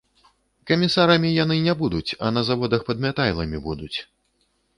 Камісарамі яны не будуць, а на заводах падмятайламі будуць.